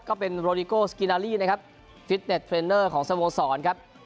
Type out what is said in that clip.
ก็เป็นโรดิโกสกินาลี่นะครับฟิตเน็ตเทรนเนอร์ของสโมสรครับ